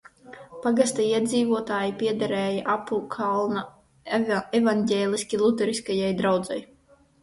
Pagasta iedzīvotāji piederēja Apukalna evaņģēliski luteriskajai draudzei.